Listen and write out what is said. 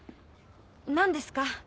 何ですか？